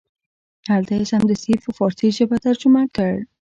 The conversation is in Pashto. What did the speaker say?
هلته یې سمدستي په فارسي ژبه ترجمه کړ.